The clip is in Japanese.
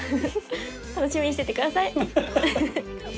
楽しみにしててください。